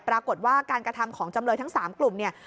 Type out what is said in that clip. ปรากฏว่าการกระทำของจำเลยทั้ง๓กลุ่มเนี่ย